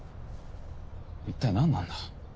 一体何なんだ？